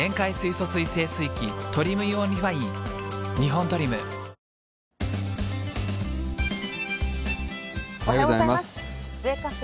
このあと、おはようございます。